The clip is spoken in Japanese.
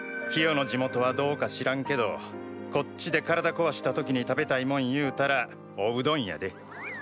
キヨの地元はどうか知らんけどこっちで体こわした時に食べたいもんいうたらおうどんやで。